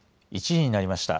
１時になりました。